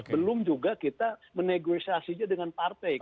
belum juga kita menegosiasinya dengan partai